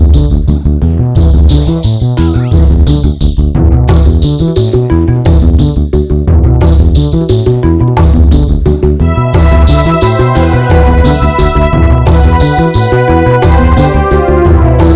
kenapa aku belum radiation ya